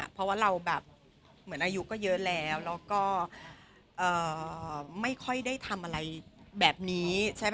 เพราะว่าเราแบบเหมือนอายุก็เยอะแล้วแล้วก็ไม่ค่อยได้ทำอะไรแบบนี้ใช่ไหม